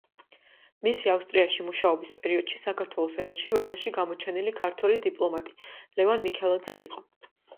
მისი ავსტრიაში მუშაობის პერიოდში საქართველოს ელჩი ვენაში გამოჩენილი ქართველი დიპლომატი, ლევან მიქელაძე, იყო.